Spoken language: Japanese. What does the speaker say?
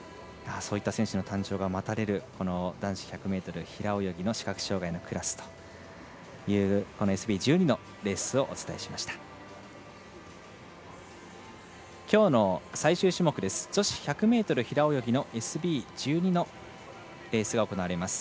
そういった選手の誕生が待たれるこの男子１００ｍ平泳ぎの視覚障がいのクラスとＳＢ１２のレースをお伝えしました。